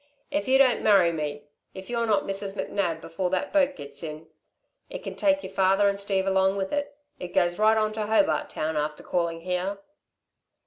If you don't marry me if y're not Mrs. McNab before that boat gets in it can take y'r father and Steve along with it. It goes right on to Hobart Town after calling here."